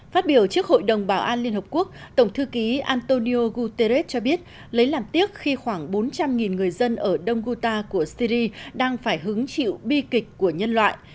phát biểu trước hội đồng bảo an liên hợp quốc tổng thư ký antonio guterres cho biết lấy làm tiếc khi khoảng bốn trăm linh người dân ở đông guta của syri đang phải hứng chịu bi kịch của nhân loại